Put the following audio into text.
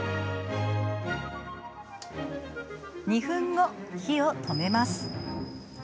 ２分後、火を止めます。